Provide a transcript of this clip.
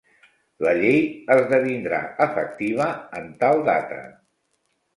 La llei esdevindrà efectiva en tal data.